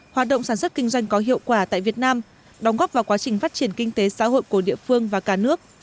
hoạt động sản xuất kinh doanh có hiệu quả tại việt nam đóng góp vào quá trình phát triển kinh tế xã hội của địa phương và cả nước